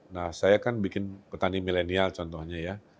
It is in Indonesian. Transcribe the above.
nah saya kan bikin petani milenial contohnya ya